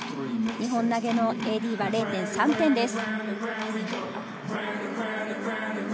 ２本投げのＡＤは０．３点です。